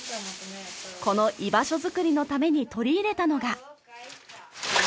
この居場所作りのために取り入れたのが。